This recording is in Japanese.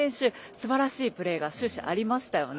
すばらしいプレーが終始ありましたよね。